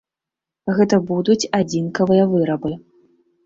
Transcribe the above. Гэта будуць адзінкавыя вырабы.